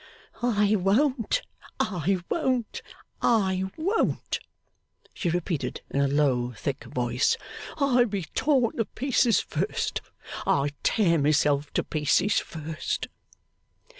'I won't. I won't. I won't!' she repeated in a low, thick voice. 'I'd be torn to pieces first. I'd tear myself to pieces first!